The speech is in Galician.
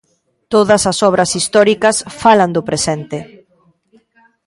Todas as obras históricas falan do presente.